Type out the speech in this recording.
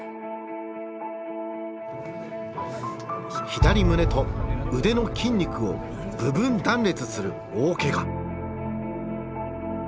左胸と腕の筋肉を部分断裂する大けが。